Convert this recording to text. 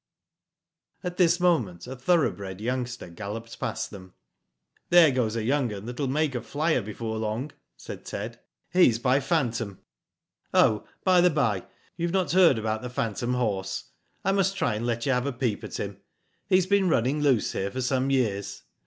At this moment a thorough bred youngster galloped past them. "There goes a young 'un that will make a flier before long," said Ted. " He's by Phantom. Oh, by the bye, you have not heard about the phantom horse. I must try and let you have a peep at him. He's been running loose here for some years.